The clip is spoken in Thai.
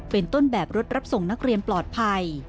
เป็นต้นแบบรถรับส่งนักเรียนปลอดภัย